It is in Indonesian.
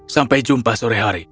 sampai jumpa sore hari